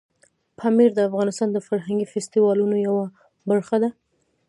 پامیر د افغانستان د فرهنګي فستیوالونو یوه برخه ده.